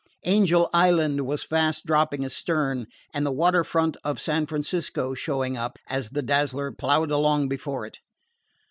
Angel Island was fast dropping astern, and the water front of San Francisco showing up, as the Dazzler plowed along before it.